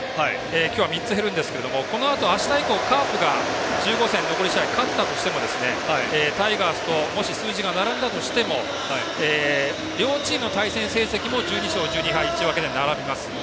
今日は３つ減るんですけどこのあと、あした以降カープが１５戦、残り試合勝ったとしても、タイガースともし数字が並んだとしても両チームの対戦成績も１２勝１２敗１分で並びます。